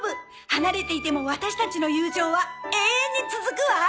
離れていてもワタシたちの友情は永遠に続くわ。